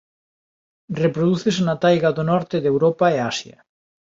Reprodúcese na taiga do norte de Europa e Asia.